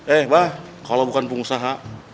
eh bah kalau bukan pengusaha